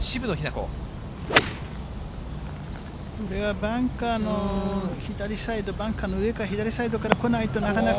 これはバンカーの左サイド、バンカーの上か左サイドから来ないと、なかなか。